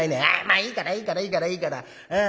まあいいからいいからいいからいいから。